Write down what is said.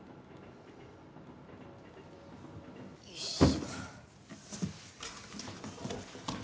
よいしょ。